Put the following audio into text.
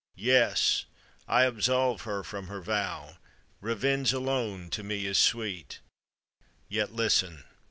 Yes ! I absolve her from her vow: Revenge alone to me is sweet I "Yet listen!